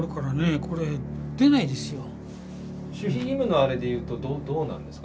守秘義務のあれで言うとどうなんですか？